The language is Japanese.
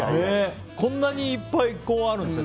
こんなにいっぱいあるんですね。